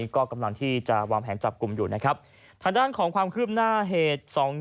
ก็กำลังที่จะวางแผนจับกลุ่มอยู่นะครับทางด้านของความคืบหน้าเหตุสอง